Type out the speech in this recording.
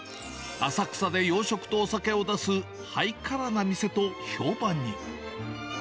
浅草で洋食とお酒を出すハイカラな店と評判に。